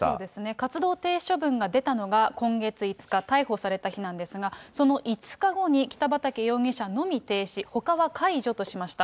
活動停止処分が出たのが今月５日、逮捕された日なんですが、その５日後に北畠容疑者のみ停止、ほかは解除としました。